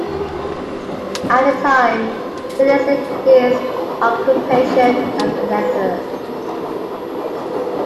At the time, he listed his occupation as "editor".